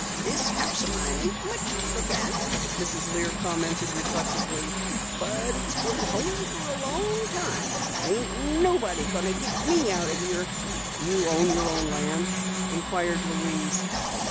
"This house o' mine ain't much to look at," Mrs. Lear commented reflectively, "but it's been home fer a long time. Ain't nobody going to get me out o' here." "You own your own land?" inquired Louise.